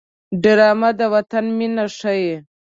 ډرامه د وطن مینه ښيي